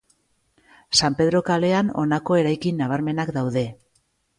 San Pedro kalean honako eraikin nabarmenak daude.